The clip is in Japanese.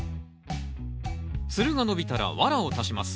つるが伸びたらワラを足します。